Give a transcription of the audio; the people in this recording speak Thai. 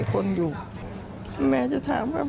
โปรดติดตามตอนต่อไป